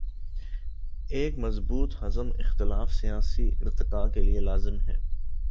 ایک مضبوط حزب اختلاف سیاسی ارتقا کے لیے لازم ہے۔